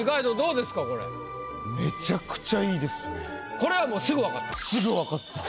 これはもうすぐわかった？